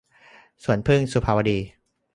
สวนผึ้ง - สุภาวดี